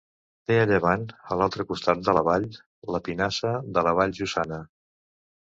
Té a llevant, a l'altre costat de la vall, la Pinassa de la Vall Jussana.